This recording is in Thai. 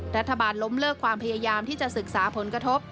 รัฐบาลล้มเลิกความพยายามที่จะศึกษาผลกระทบ